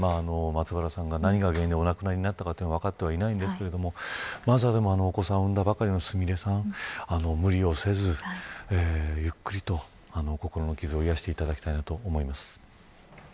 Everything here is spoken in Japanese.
松原さんが何が原因でお亡くなりになったかは分かってはいませんがお子さんを生んだばかりのすみれさん、無理をせずゆっくりと心の傷を癒やしていただきたいと思います。